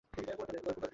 তার নামে নামাঙ্কিত